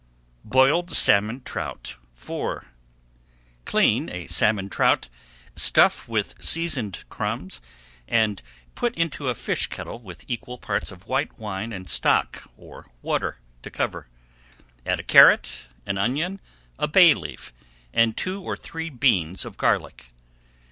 BOILED SALMON TROUT IV Clean a salmon trout, stuff with seasoned crumbs, and put into a fish kettle with equal parts of white wine and stock or water to cover. Add a carrot, an onion, a bay leaf, and two or three beans of garlic.